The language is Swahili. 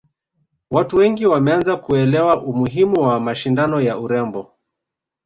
watu wengi wameanza kuelewa umuhimu wa mashindano ya urembo